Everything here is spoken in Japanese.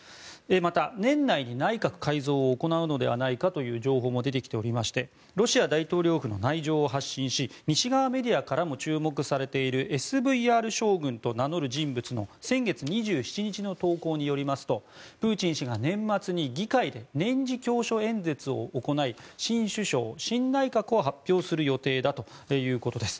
また、年内に内閣改造を行うのではないかという情報も出てきておりましてロシア大統領府の内情を発信し西側メディアからも注目されているＳＶＲ将軍と名乗る人物の先月２７日の投稿によりますとプーチン氏が年末に議会で年次教書演説を行い新首相、新内閣を発表する予定だということです。